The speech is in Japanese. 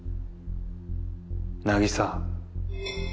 凪沙。